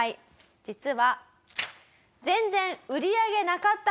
実は全然売り上げなかった問題です。